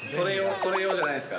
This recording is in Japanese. それ用じゃないんすか？